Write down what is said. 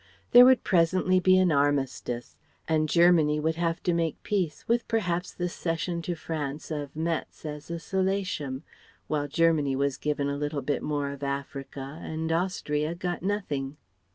There would presently be an armistice and Germany would have to make peace with perhaps the cession to France of Metz as a solatium, while Germany was given a little bit more of Africa, and Austria got nothing....